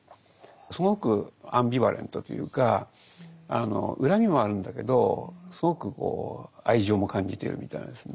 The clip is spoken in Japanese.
すごくアンビバレントというか恨みもあるんだけどすごく愛情も感じているみたいなですね